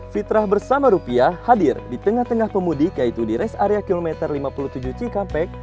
fitrah bersama rupiah hadir di tengah tengah pemudik yaitu di res area kilometer lima puluh tujuh cikampek